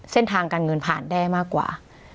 เส้นทางการเงินผ่านได้มากกว่า